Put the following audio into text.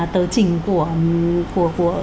tờ trình của